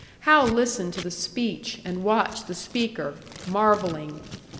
Hal listened to the speech and watched the speaker, marvelling.